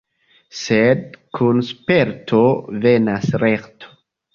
Sed kun sperto venas lerto.